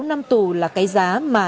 sáu năm tù là cái giá mà